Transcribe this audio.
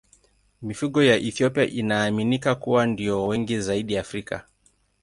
Mifugo ya Ethiopia inaaminika kuwa ndiyo wengi zaidi Afrika.